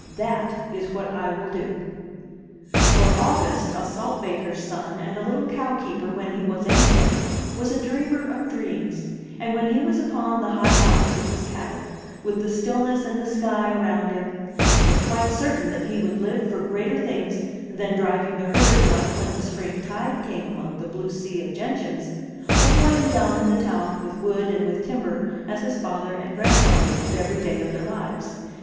That is what I will do.'' For August, a salt baker's son and a little cow keeper when he was anything, was a dreamer of dreams, and when he was upon the high alps with his cattle, with the stillness and the sky around him, was quite certain that he would live for greater things than driving the herds up when the spring tide came among the blue sea of gentians, or toiling down in the town with wood and with timber as his father and grandfather did every day of their lives.